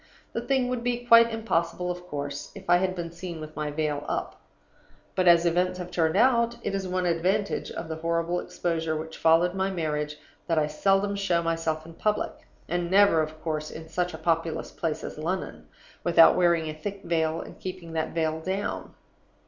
The thing would be quite impossible, of course, if I had been seen with my veil up; but, as events have turned out, it is one advantage of the horrible exposure which followed my marriage that I seldom show myself in public, and never, of course, in such a populous place as London, without wearing a thick veil and keeping that veil down.